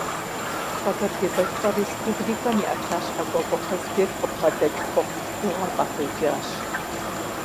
Къэбэрдей-Балъкъэр Республикэм и ӏэтащхьэ Кӏуэкӏуэ Казбек къыбгъэдэкӏ хъуэхъу тхыгъэм къахуеджащ.